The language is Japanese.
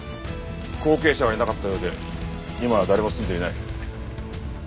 後継者がいなかったようで今は誰も住んでいない。